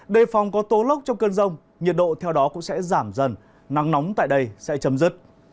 đề phòng có tố lốc trong cơn rông nhiệt độ theo đó cũng sẽ giảm dần nắng nóng tại đây sẽ chấm dứt